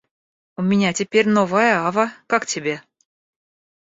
У меня теперь новая ава, как тебе?